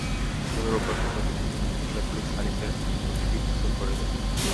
তবে রোববার সন্ধ্যায় বিষয়টি জানাজানি হলে পুলিশ সালিসের প্রস্তুতি ভন্ডুল করে দেয়।